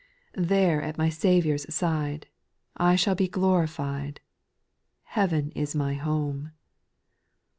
3. There at my Saviour's side, I shall be glorified, Heaven is my home.